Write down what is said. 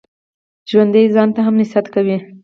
ژوندي ځان ته هم نصیحت کوي